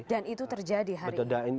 dan itu terjadi hari ini